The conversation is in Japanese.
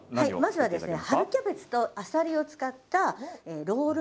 まずはですね